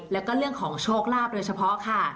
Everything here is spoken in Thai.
แล้วก็เรื่องของโชคลาภโดยเฉพาะค่ะ